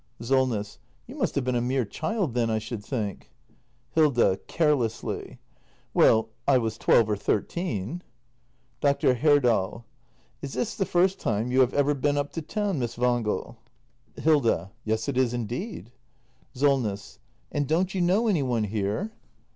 Solness. You must have been a mere child then, I should think. Hilda. [Carelessly.] Well, I was twelve or thirteen. Dr. Herdal. Is this the first time you have ever been up to town, Miss Wangel ? 288 THE MASTER BUILDER [act i Hilda. Yes, it is indeed. SOLNESS. And don't you know any one here